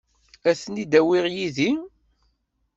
Ad ten-in-awiɣ yid-i.